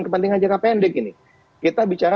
kepentingan jangka pendek ini kita bicara